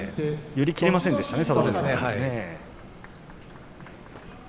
寄り切れませんでしたね